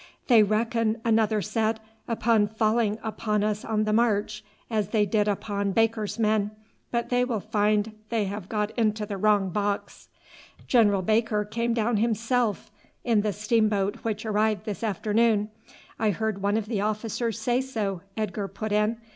"They reckon," another said, "upon falling upon us on the march as they did upon Baker's men, but they will find they have got into the wrong box." "General Baker came down himself in the steamboat which arrived this afternoon. I heard one of the officers say so," Edgar put in.